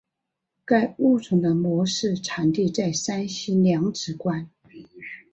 该物种的模式产地在山西娘子关。